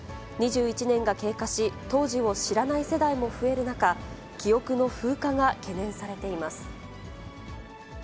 ２１年が経過し、当時を知らない世代も増える中、記憶の風化が懸念されています。